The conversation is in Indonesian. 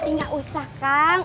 nggak usah kang